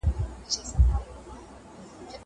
زه بايد مکتب ته لاړ شم!